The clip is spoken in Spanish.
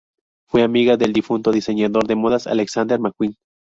Fue amiga del difunto diseñador de modas Alexander McQueen.